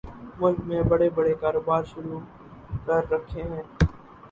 ملک میں بڑے بڑے کاروبار شروع کر رکھے ہیں